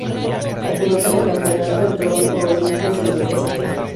Al final del campeonato, el Toronto Olympians y el St.